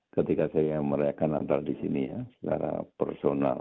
ketika saya merayakan natal di sini ya secara personal